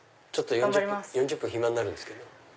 ４０分暇になるんですけど。